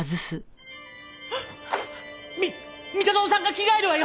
み三田園さんが着替えるわよ。